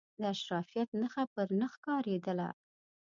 د اشرافیت نخښه پر نه ښکارېدله.